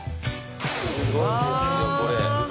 すごいですよこれ。